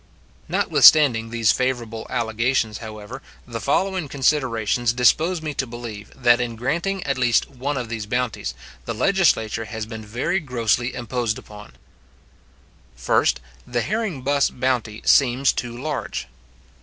Notwithstanding these favourable allegations, however, the following considerations dispose me to believe, that in granting at least one of these bounties, the legislature has been very grossly imposed upon: First, The herring buss bounty seems too large.